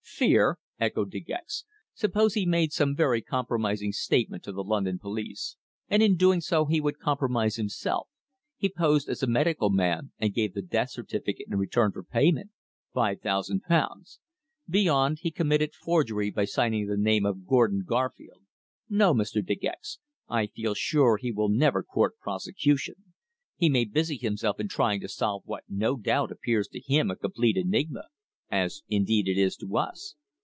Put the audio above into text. "Fear!" echoed De Gex. "Suppose he made some very compromising statement to the London police." "And in doing so he would compromise himself! He posed as a medical man, and gave the death certificate in return for payment five thousand pounds. Beyond, he committed forgery by signing the name of Gordon Garfield. No, Mr. De Gex, I feel sure he will never court prosecution. He may busy himself in trying to solve what no doubt appears to him a complete enigma as indeed it is to us.